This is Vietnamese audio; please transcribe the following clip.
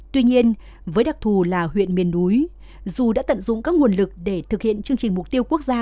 tuy nhiên với đặc thù là huyện miền núi dù đã tận dụng các nguồn lực để thực hiện chương trình mục tiêu quốc gia